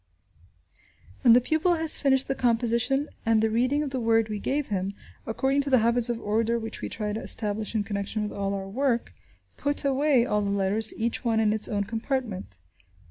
When the pupil has finished the composition and the reading of the word we have him, according to the habits of order which we try to establish in connection with all our work, "put away " all the letters, each one in its own compartment.